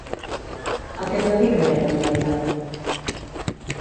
A què es dedica aquest en veritat?